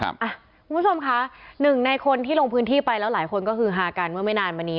คุณผู้ชมค่ะ๑ในคนที่ลงพื้นที่ไปแล้วหลายคนฮากันเมื่อไม่นานวันนี้